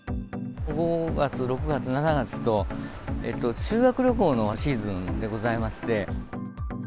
５月、６がつ、７月と、修学旅行のシーズンでございまして。